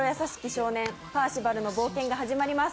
少年・パーシバルの冒険が始まります。